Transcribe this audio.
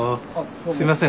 すいません